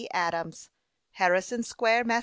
ADAMS. HARRISON SQUARE, MASS.